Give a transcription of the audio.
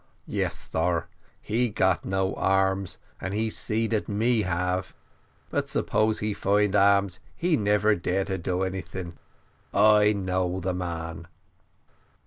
"Yes, sar, he no got arms, and he see dat we have but suppose he find arms he never dare do any thing I know de man."